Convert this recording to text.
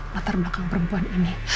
latar belakang perempuan ini